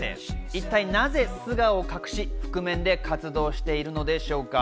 一体なぜ素顔を隠し、覆面で活動しているのでしょうか。